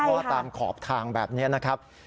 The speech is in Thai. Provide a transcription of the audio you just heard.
เพราะว่าตามขอบทางแบบนี้นะครับ